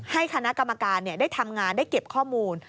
ให้คณะกรรมการได้ทำงานได้เก็บข้อมูล